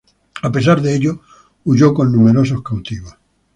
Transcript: A pesar de ello, huyó con numerosos cautivos.